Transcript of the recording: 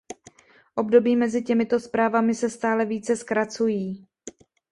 Období mezi těmito zprávami se stále více zkracují.